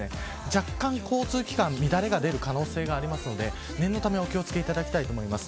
若干、交通機関乱れが出る可能性があるので念のためお気を付けいただきたいと思います。